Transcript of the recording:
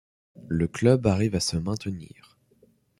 Le club arrive à se maintenir.